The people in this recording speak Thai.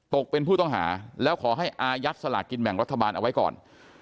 เป็นผู้ต้องหาแล้วขอให้อายัดสลากกินแบ่งรัฐบาลเอาไว้ก่อน